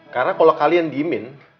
karena kalau kalian dimin